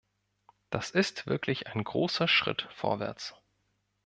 Das ist wirklich ein großer Schritt vorwärts.